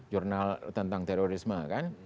jurnal tentang terorisme kan